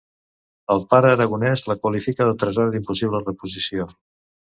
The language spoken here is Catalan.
El Pare Aragonés la qualifica de tresor d'impossible reposició.